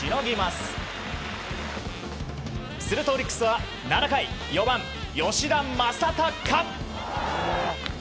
すると、オリックスは７回４番、吉田正尚。